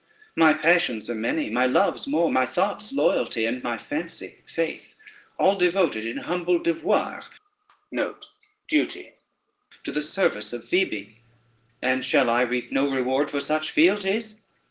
My passions are many, my loves more, my thoughts loyalty, and my fancy faith: all devoted in humble devoir to the service of Phoebe; and shall I reap no reward for such fealties?